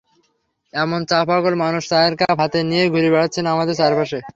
এমন চা-পাগল মানুষ চায়ের কাপ হাতে নিয়েই ঘুরে বেড়াচ্ছেন আমাদের চারপাশে।